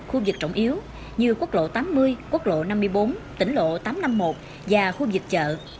khu vực trọng yếu như quốc lộ tám mươi quốc lộ năm mươi bốn tỉnh lộ tám trăm năm mươi một và khu vực chợ